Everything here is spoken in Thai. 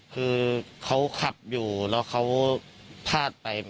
คือเขาขับอยู่แล้วเขาพลาดไป